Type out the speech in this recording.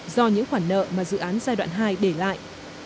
do những khoản nợ mà dự án giai đoạn hai để lại